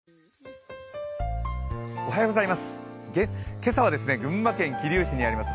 今朝は群馬県桐生市にあります